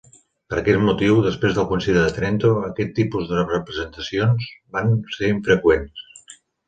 Per aquest motiu, després del Concili de Trento, aquest tipus de representacions van ser infreqüents.